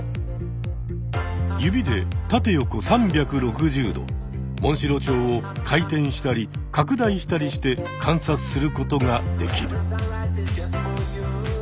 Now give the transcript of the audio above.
指で縦横３６０度モンシロチョウを回転したり拡大したりして観察することができる。